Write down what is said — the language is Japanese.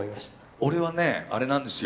俺はねあれなんですよ。